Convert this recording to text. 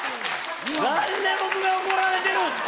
何で僕が怒られてるんすか！